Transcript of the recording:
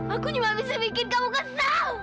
aku cuma bisa bikin kamu kesel